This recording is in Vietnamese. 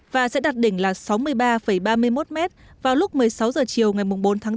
và sẽ đặt đỉnh là sáu mươi ba ba mươi một m vào lúc một mươi sáu h chiều ngày bốn tháng tám